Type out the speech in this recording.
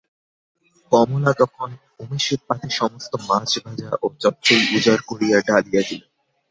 কমলা তখন উমেশের পাতে সমস্ত মাছ-ভাজা ও চচ্চড়ি উজাড় করিয়া ঢালিয়া দিল।